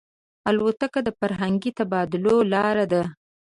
الوتکه د فرهنګي تبادلو لاره ده.